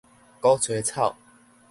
鼓吹草